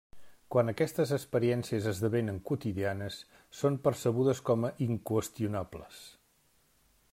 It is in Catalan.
Quan aquestes experiències esdevenen quotidianes, són percebudes com a 'inqüestionables'.